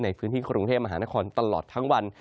ในพื้นที่กรุงเทพมหานครตลอดทั้งวัน